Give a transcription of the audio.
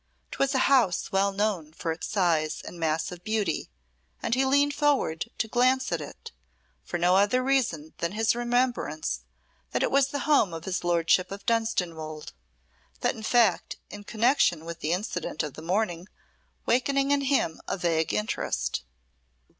'Twas a house well known for its size and massive beauty, and he leaned forward to glance at it, for no other reason than his remembrance that it was the home of his lordship of Dunstanwolde, that fact, in connection with the incident of the morning, wakening in him a vague interest.